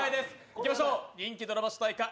いきましょう、人気ドラマ主題歌